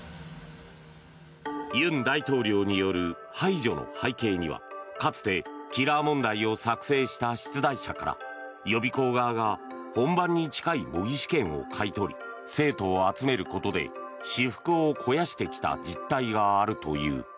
尹大統領による排除の背景にはかつてキラー問題を作成した出題者から予備校側が本番に近い模擬試験を買い取り生徒を集めることで私腹を肥やしてきた実態があるという。